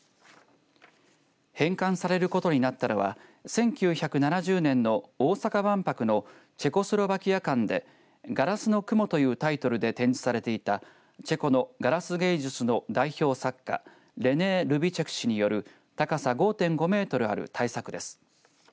返還されることになったのは１９７０年の大阪万博のチェコスロバキア館でガラスの雲というタイトルで展示されていたチェコのガラス芸術の代表作家レネー・ロゥビチェク氏による高さ５．５メートルある大作です。